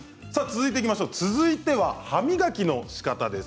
続いては歯磨きのしかたです。